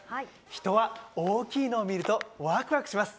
人は大きいのを見るとワクワクします。